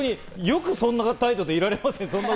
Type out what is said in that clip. よくそんな態度でいられますね。